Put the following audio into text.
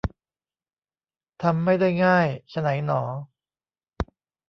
ทำไม่ได้ง่าย ไฉนหนอ